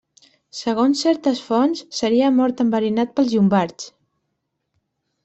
Segons certes fonts, seria mort enverinat pels llombards.